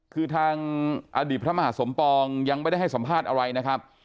คือทางอดีตพระมหาสมปองยังไม่ได้ให้สัมภาษณ์อะไรนะครับ